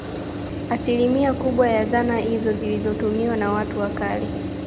Asilimia kubwa ya zana izo zilizotumiwa na watu wa kale